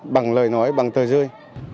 bằng lời nói bằng tờ rơi